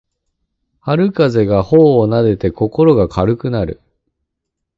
春風が頬をなでて心が軽くなる